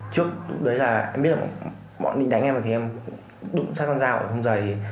trước đấy là em biết là bọn định đánh em rồi thì em đụng sát con dao ở thông giày